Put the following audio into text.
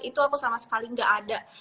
itu aku sama sekali nggak ada